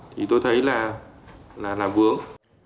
thì tôi thấy là làm vướng